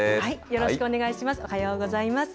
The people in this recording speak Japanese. よろしくお願いします。